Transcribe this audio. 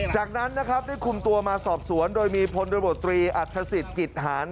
จากนั้นนะครับได้คุมตัวมาสอบสวนโดยมีพลตำรวจตรีอัฐศิษย์กิจหาร